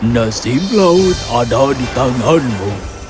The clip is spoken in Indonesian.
nasib laut ada di tanganmu